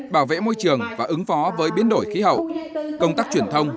bảo vệ môi trường và ứng phó với biến đổi khí hậu công tác truyền thông